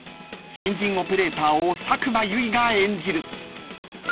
［新人オペレーターを佐久間由衣が演じる］